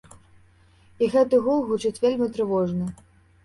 І гэты гул гучыць вельмі трывожна.